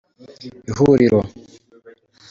ihuriro.